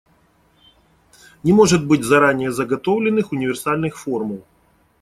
Не может быть заранее заготовленных универсальных формул.